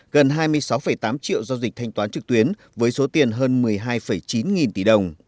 gần hai mươi sáu tám triệu do dịch thanh toán trực tuyến với số tiền hơn một mươi hai chín nghìn tỷ đồng